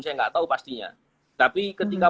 saya nggak tahu pastinya tapi ketika